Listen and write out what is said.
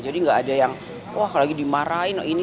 jadi enggak ada yang wah lagi dimarahin